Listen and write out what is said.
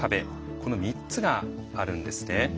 この３つがあるんですね。